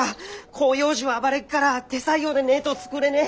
広葉樹は暴れっから手作業でねえど作れねえ。